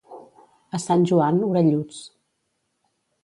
A Sant Joan, orelluts.